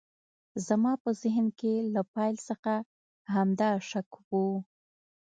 زما په ذهن کې له پیل څخه همدا شک و